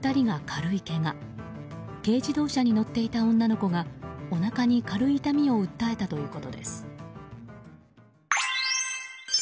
軽自動車に乗っていた女の子がおなかに軽い痛みを訴えたということです。